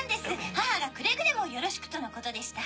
母がくれぐれもよろしくとのことでした。